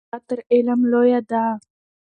تجربه تر علم لویه ده.